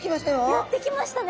やって来ましたね。